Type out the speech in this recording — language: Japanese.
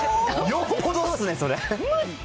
よっぽどですね、それ。